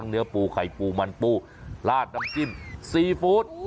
เนื้อปูไข่ปูมันปูลาดน้ำจิ้มซีฟู้ด